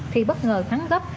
thì bất ngờ thắng gấp